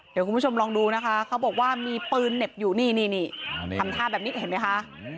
เดี๋ยวคุณผู้ชมลองดูนะคะเขาบอกว่ามีปืนเหน็บอยู่นี่นี่ทำท่าแบบนี้เห็นไหมคะ